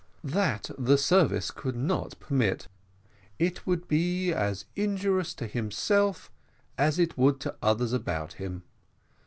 "That the service could not permit. It would be as injurious to himself as it would to others about him.